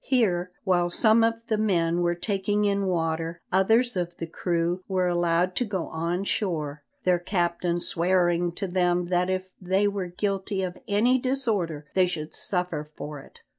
Here, while some of the men were taking in water, others of the crew were allowed to go on shore, their captain swearing to them that if they were guilty of any disorder they should suffer for it.